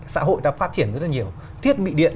xã hội đã phát triển rất là nhiều thiết bị điện